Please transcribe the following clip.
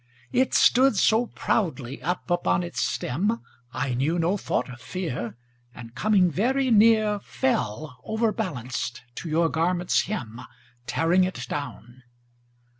It stood so proudly up upon its stem, I knew no thought of fear, And coming very near Fell, overbalanced, to your garment's hem, Tearing it down.